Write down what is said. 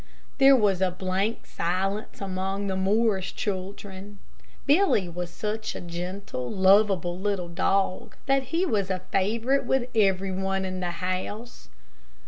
There was a blank silence among the Morris children. Billy was such a gentle, lovable, little dog, that he was a favorite with every one in the house.